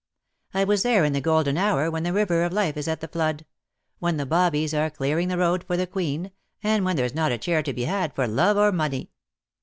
"I was there in the golden hour when the river of life is at the flood — when the Bobbies are clearing the road for the Queen, and when there's not a chair to be had for love or money."